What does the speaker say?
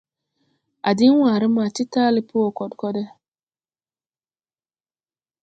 A diŋ wããre ma ti taale po wɔ kod kode.